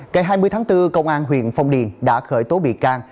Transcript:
ngày hai mươi tháng bốn công an huyện phong điền đã khởi tố bị can